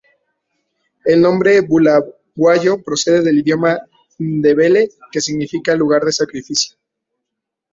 El nombre "Bulawayo" procede del idioma ndebele que significa "lugar de sacrificio".